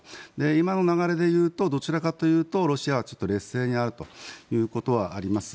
今の流れでいうとどちらかというとロシアは劣勢にあるということはあります。